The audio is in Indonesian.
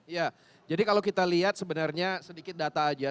ya jadi kalau kita lihat sebenarnya sedikit data aja